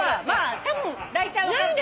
たぶんだいたい分かると思う。